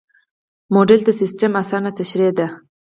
موډل د سیسټم اسانه تشریح ده.